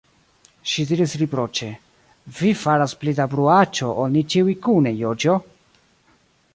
Ŝi diris riproĉe: "Vi faras pli da bruaĉo ol ni ĉiuj kune, Joĉjo".